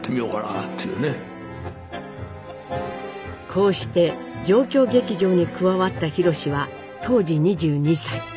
こうして状況劇場に加わった宏は当時２２歳。